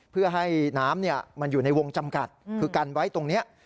เพื่อให้น้ำมันอยู่ในวงจำกัดคือกันไว้ตรงนี้